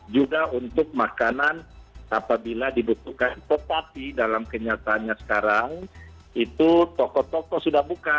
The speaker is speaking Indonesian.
juga untuk makanan apabila dibutuhkan topati dalam kenyataannya sekarang itu toko toko sudah buka